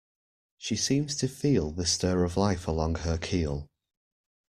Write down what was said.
She seems to feel The stir of life along her keel.